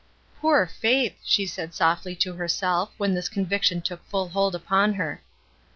''Poor Faith!'' she said softly to herself when this conviction took full hold upon her.